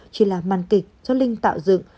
chỉ là màn kịch do linh tạo dựng